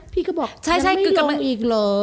พี่ก็บอกจะไม่ทรงอีกเลย